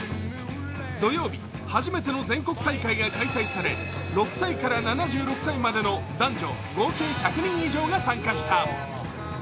土曜日、初めての全国大会が開催され６歳から７６歳までの男女合計１００人以上が参加した。